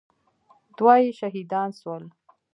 دوه يې شهيدان سول.